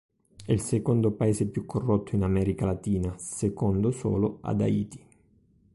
È il secondo paese più corrotto in America Latina, secondo solo ad Haiti.